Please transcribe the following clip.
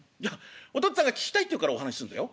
お父っつぁんが聞きたいっていうからお話しするんだよねっ。